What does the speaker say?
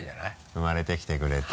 生まれてきてくれて。